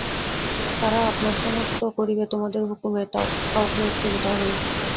তারা আপনারা সমস্ত করিবে, তোমাদের হুকুমে কাউকে চলিতে হবে না।